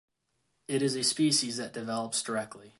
It is a species that develops directly.